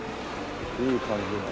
いい感じの。